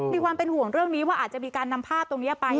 มีความเป็นห่วงเรื่องนี้ว่าอาจจะมีการนำภาพตรงนี้ไป